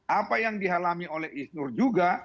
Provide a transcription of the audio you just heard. apa yang dialami oleh isnur juga